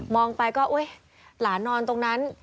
ไปก็อุ๊ยหลานนอนตรงนั้น